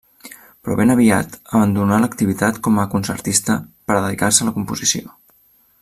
Però ben aviat abandonà l'activitat com a concertista per a dedicar-se a la composició.